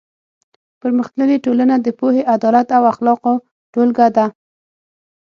پرمختللې ټولنه د پوهې، عدالت او اخلاقو ټولګه ده.